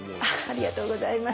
ありがとうございます。